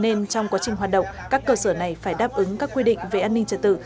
nên trong quá trình hoạt động các cơ sở này phải đáp ứng các quy định về an ninh trật tự